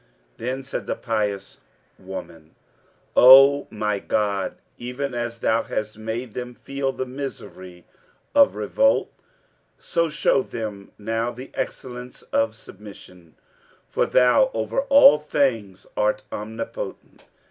Then said the pious woman, "O my God, even as Thou hast made them feel the misery of revolt, so show them now the excellence of submission, for Thou over all things art Omnipotent!"